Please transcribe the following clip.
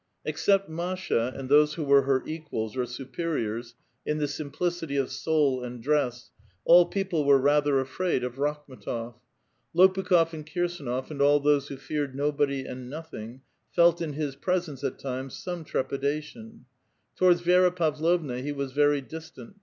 Except Masha, and those who were her equals or superiors in the simplicity of soul and dress, all people were rather afraid of Rakhm^tof . Lopukh6f and Kirsdnof , and all those who feared nobody and nothing, felt in his presence, at times, some trepidation, Towaixls Vi^ra Pavlovna he was very distant.